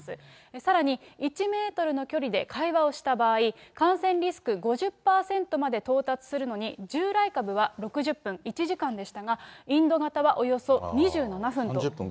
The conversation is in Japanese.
さらに、１メートルの距離で会話をした場合、感染リスク５０％まで到達するのに、従来株は６０分、１時間でしたが、インド型はおよそ２７分と。